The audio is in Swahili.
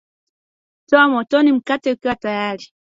toa motoni mkate ukiwa tayari